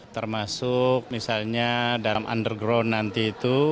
termasuk misalnya dalam underground nanti itu